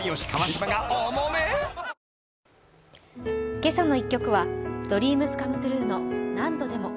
「けさの１曲」はＤＲＥＡＭＳＣＯＭＥＴＲＵＥの「何度でも」。